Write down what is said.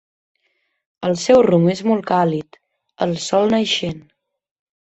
El seu rumb és molt càlid: el sol naixent.